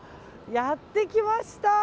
やってきました！